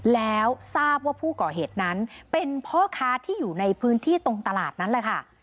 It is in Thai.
แล้วทราบว่าผู้ก่อเหตุนั้นเป็นพ่อค้าที่อยู่ในพื้นที่ตรงตลาดนั้นแหละค่ะ